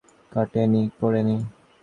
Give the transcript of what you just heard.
তবে সাইকেল থেকে পড়ে গিয়ে কাটে নি।